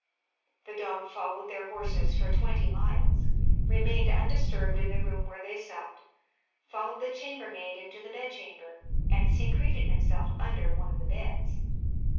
The dog followed their horses for twenty miles, remained undisturbed in the room where they supped, followed the chambermaid into the bedchamber, and secreted himself under one of the beds.